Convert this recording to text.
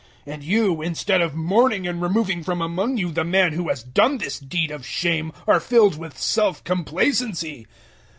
005:002 And you, instead of mourning and removing from among you the man who has done this deed of shame, are filled with self complacency!